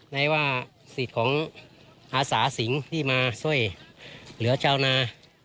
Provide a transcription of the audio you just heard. ได้ว่าสิทธิ์ของอาสาสิงห์ที่มาช่วยเหลือเจ้านา